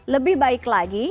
lebih baik lagi